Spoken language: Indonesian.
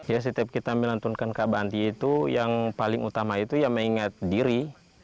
ya setiap kita melantunkan kabanti itu yang paling utama itu ya mengingat diri